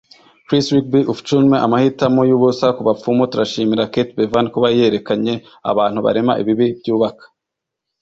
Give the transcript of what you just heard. Chris Rigby Uffculme Amahitamo yubusa kubapfumu Turashimira Kate Bevan kuba yerekanye abantu barema ibibi byubaka.